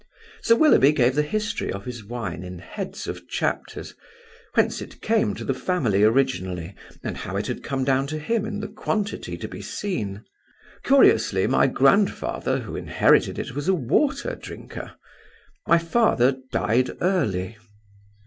Sir Willoughby gave the history of his wine in heads of chapters; whence it came to the family originally, and how it had come down to him in the quantity to be seen. "Curiously, my grandfather, who inherited it, was a water drinker. My father died early."